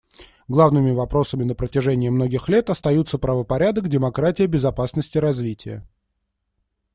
Главными вопросами на протяжении многих лет остаются правопорядок, демократия, безопасность и развитие.